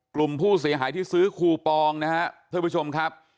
กลุ่มผู้เสียหายที่ซื้อคูปองนะครับท่านผู้ชมครับ